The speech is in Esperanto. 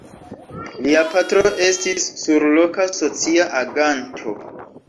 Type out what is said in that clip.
Lia patro estis surloka socia aganto.